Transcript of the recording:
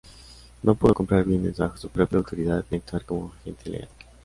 No pudo comprar bienes bajo su propia autoridad ni actuar como agente legal.